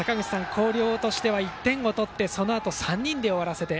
広陵としては１点を取ってそのあと３人で終わらせて。